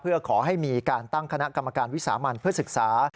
เพื่อขอให้มีการตั้งคณะกรรมการวิสามันเพื่อศึกษา